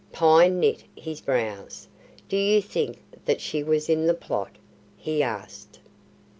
Pine knit his brows. "Do you think that she was in the plot?" he asked.